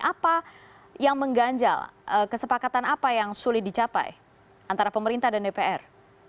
apa yang mengganjal kesepakatan apa yang sulit dicapai antara pemerintah dan dpr